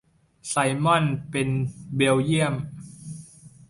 ไซมอนเป็นเบลเยียม